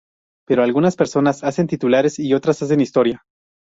Pero algunas personas hacen titulares y otras hacen historia".